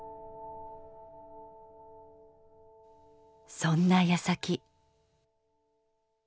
そんなやさき。